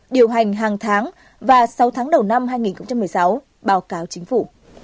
điều hành hàng tháng và sáu tháng đầu năm hai nghìn một mươi sáu báo cáo chính phủ